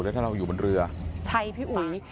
แล้วถ้าเราอยู่บนเรือใช่พี่อุ๋ย